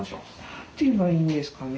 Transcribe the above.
何と言えばいいんですかね